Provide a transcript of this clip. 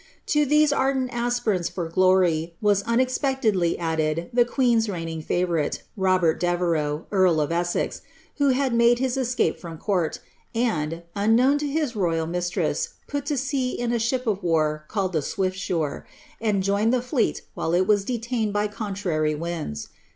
To these ardent aspirants for glory was unex ectedly added the queen's reigning favourite, Robert Devereux, earl of Inex, who had made his escape from court, and, unknown to his royal listress, put to sea in a ship of war called the ^ Swiflsure," and joined le fleet while it was detained by contrary winds."